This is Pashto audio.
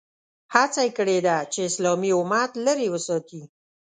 هڅه یې کړې ده چې اسلامي امت لرې وساتي.